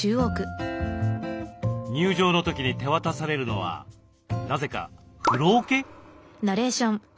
入場の時に手渡されるのはなぜか風呂おけ？